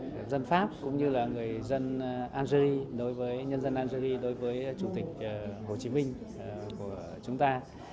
người dân pháp cũng như là người dân algerie đối với nhân dân algeria đối với chủ tịch hồ chí minh của chúng ta